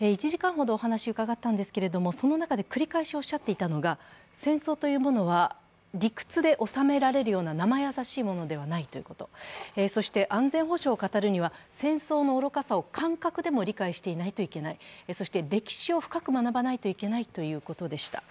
１時間ほどお話を伺ったんですけれどもその中で繰り返しおっしゃっていたのが、戦争というものは理屈で収められるようななまやさしいものではないということ、そして、安全保障を語るには戦争の愚かさを感覚でも理解していないといけないそして歴史を深く学ばないといけないということでした。